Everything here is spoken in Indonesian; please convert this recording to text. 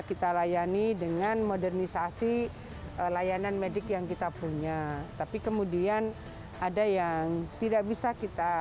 kita layani dengan modernisasi layanan medik yang kita punya tapi kemudian ada yang tidak bisa kita